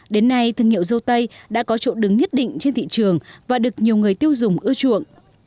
đến nay thương hiệu dâu tây đã có chỗ đứng nhất định trên thị trường và được nhiều người tiêu dùng ưa chuộng